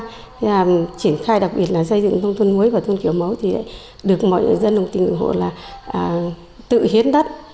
thế là triển khai đặc biệt là xây dựng thông thôn muối và thôn kiểu mấu thì được mọi dân đồng tình ủng hộ là tự hiến đất